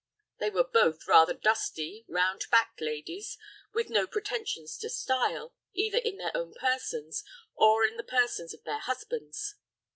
They were both rather dusty, round backed ladies, with no pretensions to style, either in their own persons or in the persons of their husbands.